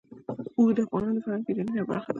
اوښ د افغانانو د فرهنګي پیژندنې یوه برخه ده.